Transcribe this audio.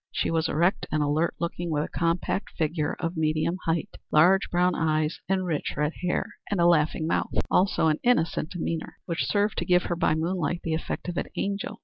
She was erect and alert looking, with a compact figure of medium height, large brown eyes and rich red hair, and a laughing mouth; also an innocent demeanor, which served to give her, by moonlight, the effect of an angel.